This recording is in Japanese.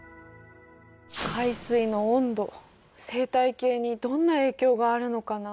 海水の温度生態系にどんな影響があるのかな。